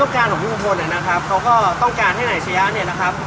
คือความต้องการของผู้คนเนี้ยนะครับเขาก็ต้องการให้ไหนเชียร์เนี้ยนะครับ